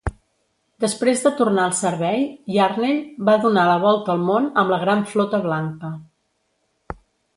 Després de tornar al servei, Yarnell va donar la volta al món amb la Gran Flota Blanca.